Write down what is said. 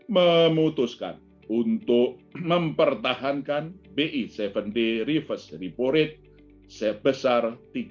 memutuskan untuk mempertahankan bi tujuh d reversed report rate sebesar tiga lima puluh